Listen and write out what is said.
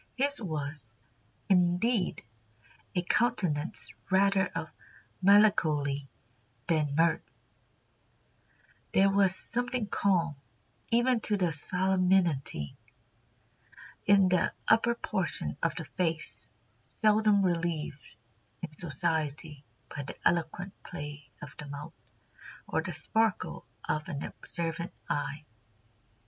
His was, indeed, a countenance rather of melancholy than mirth; there was something calm, even to solemnity, in the upper portion of the face, seldom relieved, in society, by the eloquent play of the mouth, or the sparkle of an observant eye.